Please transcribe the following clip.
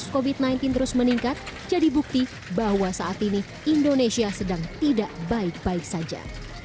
covid sembilan belas terus meningkat jadi bukti bahwa saat ini indonesia sedang tidak baik baik saja